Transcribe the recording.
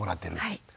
はい。